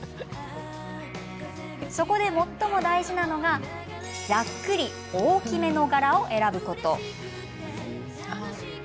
そこで最も大事なのがざっくり大きめの柄を選ぶこと。